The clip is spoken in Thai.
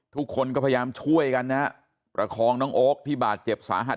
ทุกคนก็พยายามช่วยกันนะฮะประคองน้องโอ๊คที่บาดเจ็บสาหัส